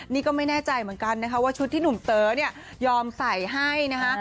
นี่ก็ไม่แน่ใจเหมือนกันนะคะว่าชุดที่หนุ่มเต๋อเนี่ยยอมใส่ให้นะคะ